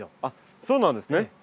あっそうなんですね。